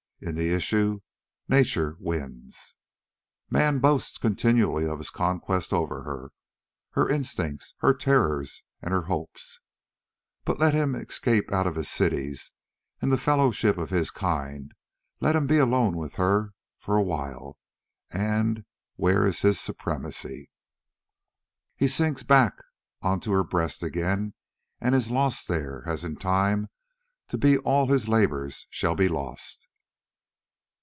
In the issue nature wins. Man boasts continually of his conquests over her, her instincts, her terrors, and her hopes. But let him escape from out his cities and the fellowship of his kind, let him be alone with her for a while, and where is his supremacy? He sinks back on to her breast again and is lost there as in time to be all his labours shall be lost.